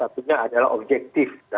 salah satunya adalah objektif dalam hal ini